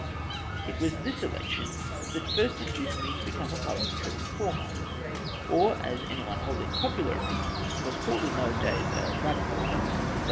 It was this election that first induced me to become a parhamentary Eeformer, or as any one holding popular opuiions was called in those days, a " Eadical," i e.